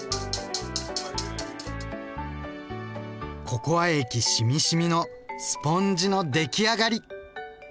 ココア液しみしみのスポンジの出来上がり。